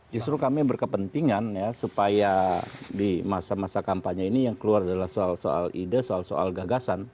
justru kami berkepentingan ya supaya di masa masa kampanye ini yang keluar adalah soal soal ide soal soal gagasan